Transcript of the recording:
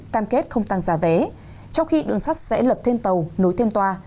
cam kết không tăng giá vé trong khi đường sắt sẽ lập thêm tàu nối thêm toa